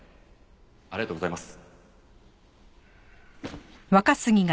ありがとうございます。